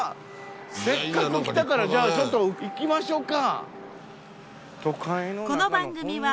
せっかく来たからじゃあちょっと行きましょうか。